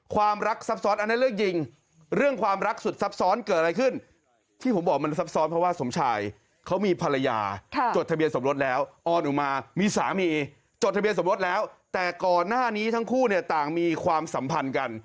ความรักซับซ้อนอันในเรื่องยิงเรื่องความรักสุดซับซ้อนเกิดอะไรขึ้น